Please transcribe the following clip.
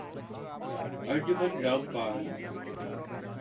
ارجن من را مپال